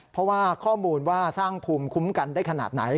เพราะว่าข้อมูลว่าสร้างภูมิคุ้มกันได้ขนาดไหน